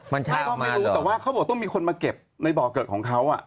มันใช่ก็ไม่รู้แต่ว่าเขาบอกต้องมีคนมาเก็บในบ่อเกิดของเขา